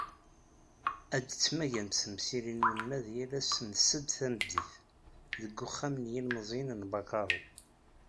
Ad d-ttmagant temsirin n ulmad yal ass n sed tameddit, deg Uxxam n yilemẓiyen n Bakaru.